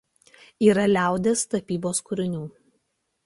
Yra liaudies tapybos kūrinių.